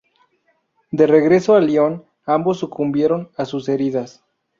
De regreso a Lyon, ambos sucumbieron a sus heridas.